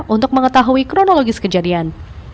untuk mengetahui kronologis kejadian